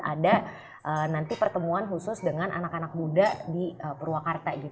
ada nanti pertemuan khusus dengan anak anak muda di purwakarta